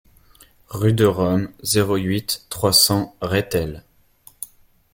Rue de Rome, zéro huit, trois cents Rethel